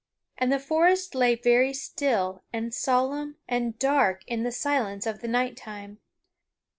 And the forest lay very still and solemn and dark in the silence of the nighttime.